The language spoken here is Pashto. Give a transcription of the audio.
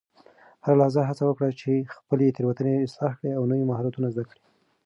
هره لحظه هڅه وکړه چې خپلې تیروتنې اصلاح کړې او نوي مهارتونه زده کړې.